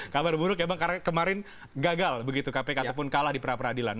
kabar buruk ya bang karena kemarin gagal begitu kpk ataupun kalah di pra peradilan